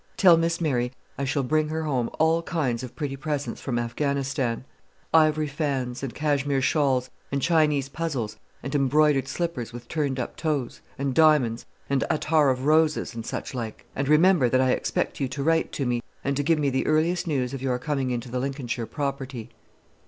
Tell Miss Mary I shall bring her home all kinds of pretty presents from Affghanistan, ivory fans, and Cashmere shawls, and Chinese puzzles, and embroidered slippers with turned up toes, and diamonds, and attar of roses, and suchlike; and remember that I expect you to write to me, and to give me the earliest news of your coming into the Lincolnshire property."